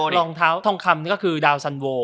รองเท้าทองคำนี่ก็คือดาวสันโว